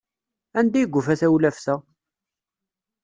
Anda ay yufa tawlaft-a?